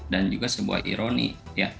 dan juga sebuah ironi ya